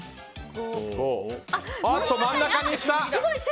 おっと真ん中にいった！